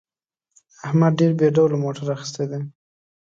احمد ډېر بې ډوله موټر اخیستی دی.